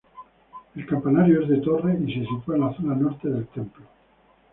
El campanario es de torre y se sitúa en la zona norte del templo.